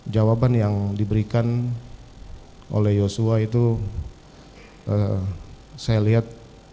jawaban yang diberikan oleh yosua itu saya lihat